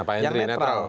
nah pak hendri netral